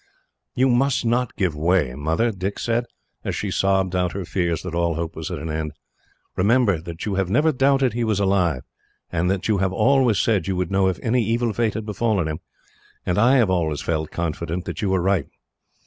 "You must not give way, Mother," Dick said, as she sobbed out her fears that all hope was at an end. "Remember that you have never doubted he was alive, and that you have always said you would know if any evil fate had befallen him; and I have always felt confident that you were right.